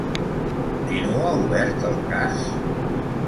Continua obert el cas?